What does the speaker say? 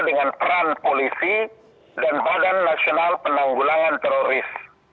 dengan peran polisi dan badan nasional penanggulangan teroris